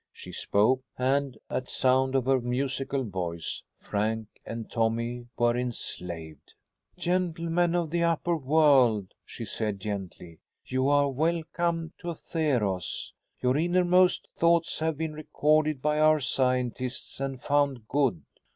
She spoke, and, at sound of her musical voice, Frank and Tommy were enslaved. "Gentlemen of the upper world," she said gently, "you are welcome to Theros. Your innermost thoughts have been recorded by our scientists and found good.